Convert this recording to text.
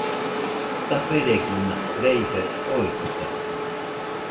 Saferegɨna reigaɨ oitɨkaɨ